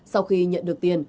sau khi nhận được tiền